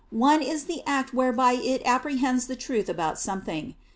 One is the act whereby it apprehends the truth about something.